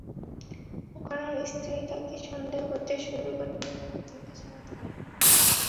ওকানোর স্ত্রী তাকে সন্দেহ করতে শুরু করে আর তাকে জিজ্ঞাসাবাদ করে।